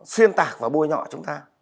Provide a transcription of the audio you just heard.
xuyên tạc và bôi nhọ chúng ta